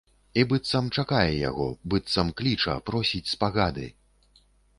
І быццам чакае яго, быццам кліча, просіць спагады.